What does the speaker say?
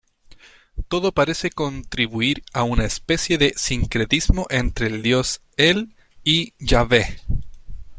Todo parece contribuir a una especie de sincretismo entre el dios El y Yahveh.